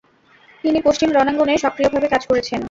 তিনি পশ্চিম রণাঙ্গনে সক্রিয়ভাবে কাজ করেছেন।